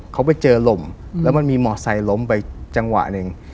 เขาไปเจอลมแล้วมันมีมอไซคล้มไปจังหวะหนึ่ง